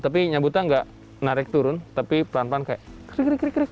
tapi nyambutan tidak menarik turun tapi pelan pelan seperti ini